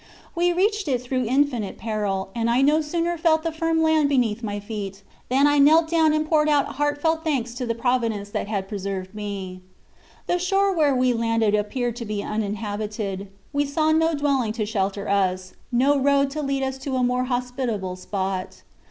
We reached it through infinite peril, and I no sooner felt the firm land beneath my feet, than I knelt down and poured out heartfelt thanks to the Providence that had preserved me. "The shore where we landed appeared to be uninhabited. We saw no dwelling to shelter us, no road to lead us to a more hospitable spot.